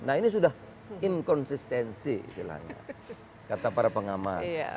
nah ini sudah inkonsistensi istilahnya kata para pengamat